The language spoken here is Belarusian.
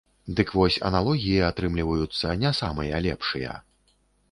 Дык вось, аналогіі атрымліваюцца не самыя лепшыя.